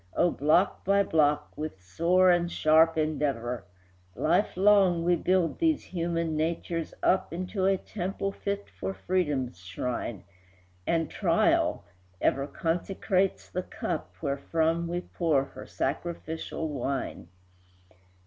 O, block by block, with sore and sharp endeavor, Lifelong we build these human natures up Into a temple fit for freedom's shrine, And Trial ever consecrates the cup Wherefrom we pour her sacrificial wine.